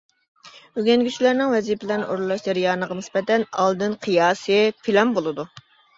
ئۆگەنگۈچىلەرنىڭ ۋەزىپىلەرنى ئورۇنلاش جەريانىغا نىسبەتەن ئالدىن قىياسى پىلان بولىدۇ.